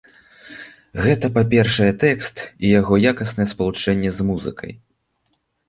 Гэта, па-першае, тэкст і яго якаснае спалучэнне з музыкай.